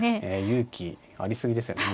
勇気ありすぎですよね。